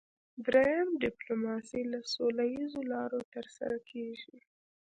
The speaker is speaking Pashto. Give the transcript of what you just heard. دریم ډیپلوماسي له سوله اییزو لارو ترسره کیږي